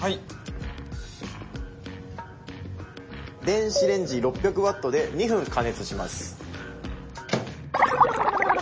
電子レンジ６００ワットで２分加熱します。